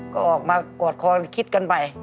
ก็ออกมากอดคอคิดกันไป